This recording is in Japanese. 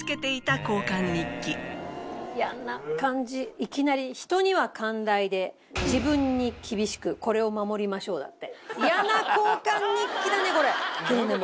いきなり「人には寛大で自分にきびしくこれを守りましょう」だって。